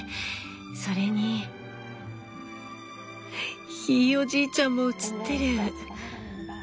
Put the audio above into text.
それにひいおじいちゃんも写ってる。